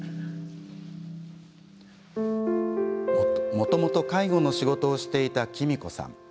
もともと介護の仕事をしていたきみこさん。